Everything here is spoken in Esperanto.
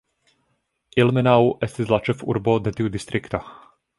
Ilmenau estis la ĉefurbo de tiu distrikto.